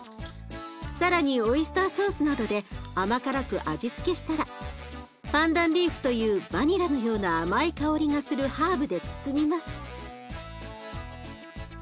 更にオイスターソースなどで甘辛く味付けしたらパンダンリーフというバニラのような甘い香りがするハーブで包みます。